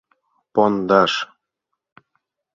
— Пондаш?!